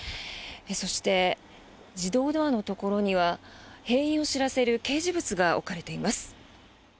そして、自動ドアのところには閉院を知らせる掲示物が置かれています。